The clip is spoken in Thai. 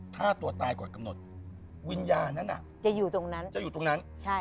ฆ่าตัวตายก่อนกำหนดวิญญาณนั้นจะอยู่ตรงนั้นจะอยู่ตรงนั้นใช่